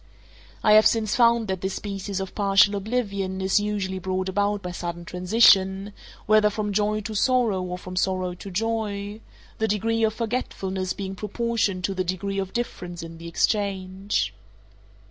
I have since found that this species of partial oblivion is usually brought about by sudden transition, whether from joy to sorrow or from sorrow to joy—the degree of forgetfulness being proportioned to the degree of difference in the exchange.